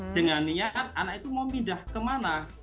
dengan niat anak itu mau pindah kemana